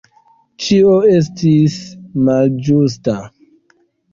Ĉio estis malĝusta.